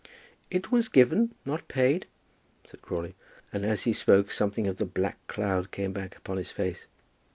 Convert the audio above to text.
"It was given, not paid," said Crawley; and as he spoke something of the black cloud came back upon his face.